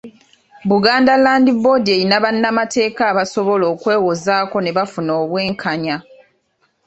Buganda Land Board erina bannamateeka abasobola okwewozaako ne bafuna obwenkanya.